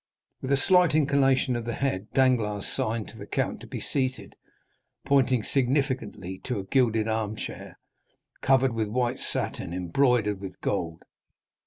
With a slight inclination of the head, Danglars signed to the count to be seated, pointing significantly to a gilded armchair, covered with white satin embroidered with gold.